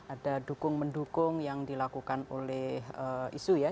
ada dukung mendukung yang dilakukan oleh isu ya